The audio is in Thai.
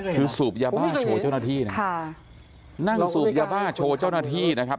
คือสูบยาบ้าโชว์เจ้าหน้าที่นะค่ะนั่งสูบยาบ้าโชว์เจ้าหน้าที่นะครับ